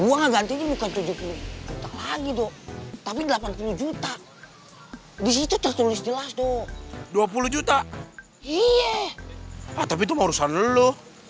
ah tapi itu mau urusan lo